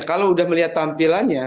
kalau sudah melihat tampilannya